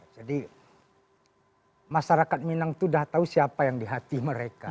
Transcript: jadi masyarakat minang itu udah tahu siapa yang di hati mereka